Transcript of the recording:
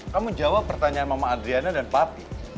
kamu jawab pertanyaan mama adriana dan papi